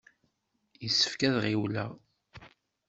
Yessefk ad ɣiwleɣ!